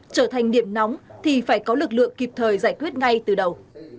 trở thành điểm nóng thì phải có lực lượng kịp thời giải quyết ngay từ đầu